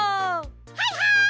はいはい！